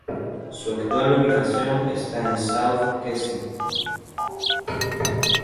Su actual ubicación está en South Kensington.